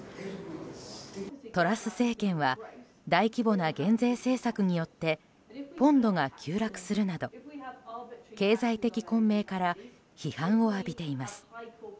トラス政権は大規模な減税政策によってポンドが急落するなど経済的混迷から批判を浴びています。